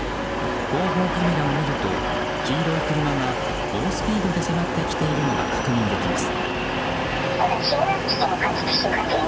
後方カメラを見ると黄色い車が猛スピードで迫ってきているのが確認できます。